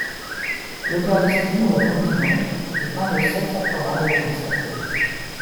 L'Eucharistie ou la communion est un des sept sacrements de l'Église catholique.